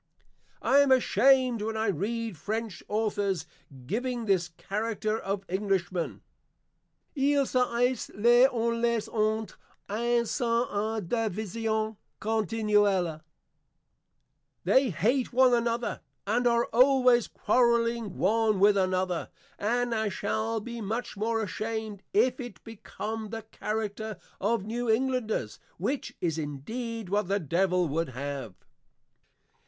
I am ashamed when I read French Authors giving this Character of Englishmen [Ils se haissent Les uns les autres, & sont en Division Continuelle.] They hate one another, and are always Quarrelling one with another. And I shall be much more ashamed, if it become the Character of New Englanders; which is indeed what the Devil would have.